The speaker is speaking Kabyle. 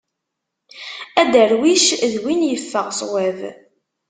Adarwic d win yeffeɣ swab.